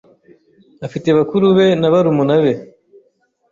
afite bakuru be na barumuna be